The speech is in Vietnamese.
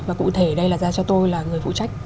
và cụ thể đây là ra cho tôi là người phụ trách